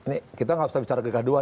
ini kita nggak bisa bicara kegaduhan